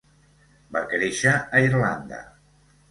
Va créixer a Irlanda.